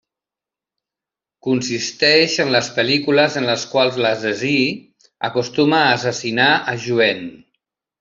Consisteix en les pel·lícules en les quals l'assassí acostuma a assassinar a jovent.